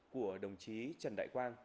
của đồng chí trần đại quang